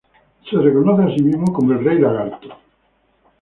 Se reconoce a sí mismo como "el rey lagarto".